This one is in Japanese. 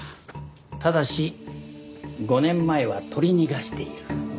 ただし５年前は取り逃がしている。